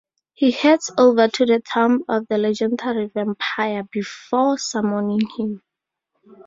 He heads over to the tomb of the legendary vampire before summoning him.